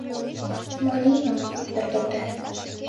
Мо лиймым от пӧртылтӧ.